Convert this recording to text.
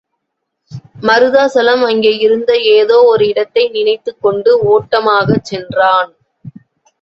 மருதாசலம் அங்கே இருந்த ஏதோ ஒரு இடத்தை நினைத்துக்கொண்டு ஓட்டமாகச் சென்றான்.